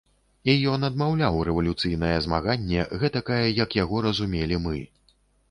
І ён адмаўляў рэвалюцыйнае змаганне, гэтакае, як яго разумелі мы.